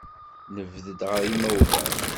Nebded ɣer yimawlan.